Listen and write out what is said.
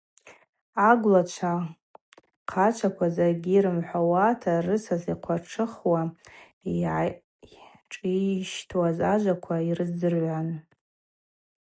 Агвлачва хъачваква закӏгьи рымхӏвауата, рысас йхъватшыхуа йгӏайшӏищтуаз, ажваква йрыздзыргӏвуан.